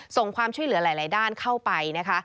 ความช่วยเหลือหลายด้านเข้าไปนะคะ